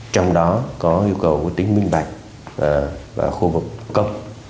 trong đó có yêu cầu tính minh bạch và khu vực công